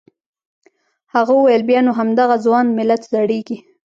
هغه وویل بیا نو همدغه ځوان ملت زړیږي.